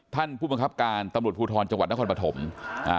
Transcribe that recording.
ท่านผู้บังคับการตำรวจภูทรจังหวัดนครปฐมอ่า